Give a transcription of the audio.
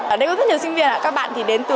ở đây có rất nhiều sinh viên các bạn thì đến từ